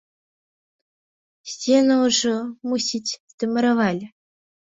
Сцены ўжо, мусіць, дамуравалі?